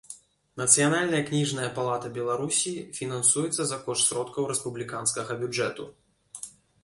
Нацыянальная кнiжная палата Беларусi фiнансуецца за кошт сродкаў рэспублiканскага бюджэту.